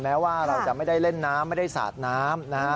แม้ว่าเราจะไม่ได้เล่นน้ำไม่ได้สาดน้ำนะฮะ